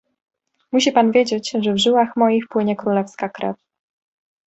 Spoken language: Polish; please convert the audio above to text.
"Musi pan wiedzieć, że w żyłach moich płynie królewska krew."